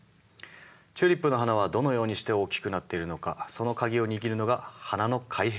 チューリップの花はどのようにして大きくなっているのかその鍵を握るのが花の開閉運動なんです。